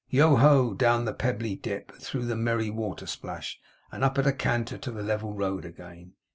Yoho, down the pebbly dip, and through the merry water splash and up at a canter to the level road again.